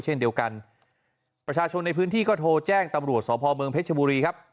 เช่นเดียวกันประชาชนในพื้นที่ก็โทรแจ้งตำรวจสพเมืองเพชรบุรีครับ